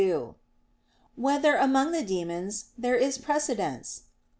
2] Whether among the demons there is precedence?